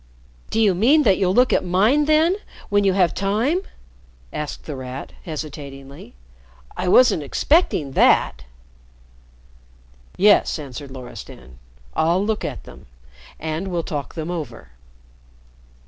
"Do you mean that you'll look at mine then when you have time?" asked The Rat, hesitatingly. "I wasn't expecting that." "Yes," answered Loristan, "I'll look at them, and we'll talk them over."